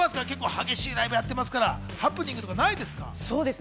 激しいライブやってますからハプニングとかないですか？